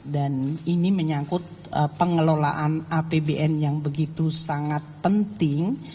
dan ini menyangkut pengelolaan apbn yang begitu sangat penting